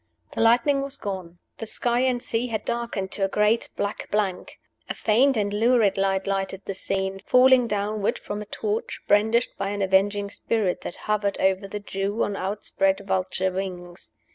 The lightning was gone. The sky and sea had darkened to a great black blank. A faint and lurid light lighted the scene, falling downward from a torch, brandished by an avenging Spirit that hovered over the Jew on outspread vulture wings.